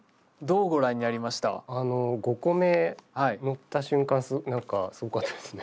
あの５個目のった瞬間なんかすごかったですね。